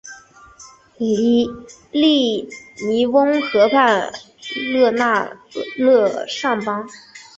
利尼翁河畔勒尚邦。